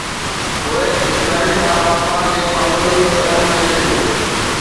Kuwait Israel سان واپار تي پابندين جو اعلان ڪري ڇڏيو